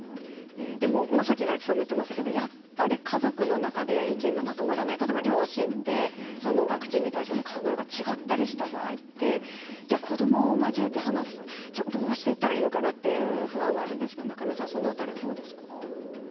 さっき大吉さんも言ってましたけどやっぱり家族の中で意見がまとまらない、例えば両親でワクチンに対しての考えが違ったりした場合って子どもを交えて話すのはどうしていったらいいのかなっていう不安はあるんですけどその辺りはどうですか？